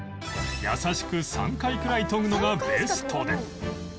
優しく３回くらい研ぐのがベストで